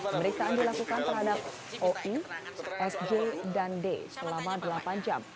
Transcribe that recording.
pemeriksaan dilakukan terhadap oi sj dan d selama delapan jam